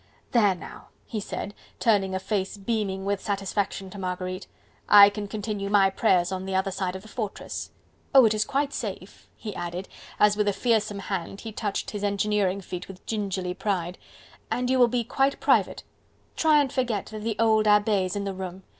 "There now!" he said, turning a face beaming with satisfaction to Marguerite, "I can continue my prayers on the other side of the fortress. Oh! it is quite safe..." he added, as with a fearsome hand he touched his engineering feat with gingerly pride, "and you will be quite private.... Try and forget that the old abbe is in the room....